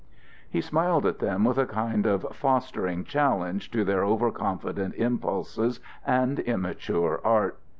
He smiled at them with a kind of fostering challenge to their over confident impulses and immature art.